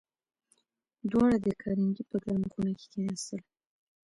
دواړه د کارنګي په ګرمه خونه کې کېناستل